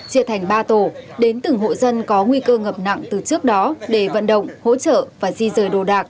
chia thành ba tổ đến từng hộ dân có nguy cơ ngập nặng từ trước đó để vận động hỗ trợ và di rời đồ đạc